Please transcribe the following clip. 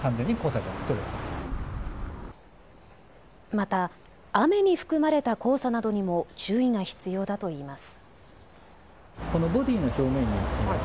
また雨に含まれた黄砂などにも注意が必要だといいます。